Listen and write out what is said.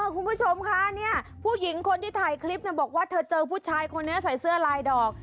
คุณผู้ชมคะเนี่ยผู้หญิงคนที่ถ่ายคลิปบอกว่าเธอเจอผู้ชายคนนี้ใส่เสื้อลายดอก